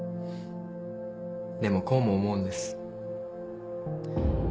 でもこうも思うんです。